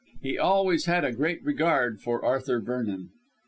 He always had a great regard for Arthur Vernon.